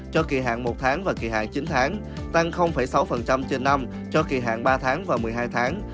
cho kỳ hạn một tháng và kỳ hạn chín tháng tăng sáu trên năm cho kỳ hạn ba tháng và một mươi hai tháng